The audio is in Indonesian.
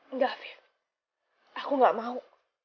enggak fiv aku enggak mau